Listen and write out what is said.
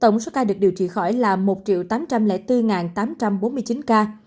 tổng số ca được điều trị khỏi là một tám trăm linh bốn tám trăm bốn mươi chín ca